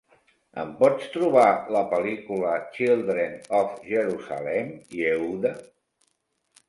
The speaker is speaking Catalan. Em pots trobar la pel·lícula Children of Jerusalem: Yehuda?